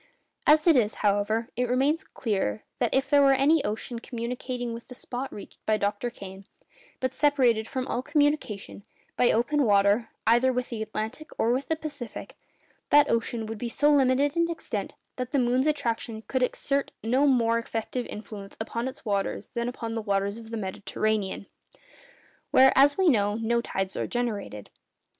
As it is, however, it remains clear, that if there were any ocean communicating with the spot reached by Dr. Kane, but separated from all communication—by open water—either with the Atlantic or with the Pacific, that ocean would be so limited in extent that the moon's attraction could exert no more effective influence upon its waters than upon the waters of the Mediterranean—where, as we know, no tides are generated.